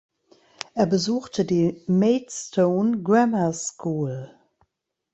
Er besuchte die Maidstone Grammar School.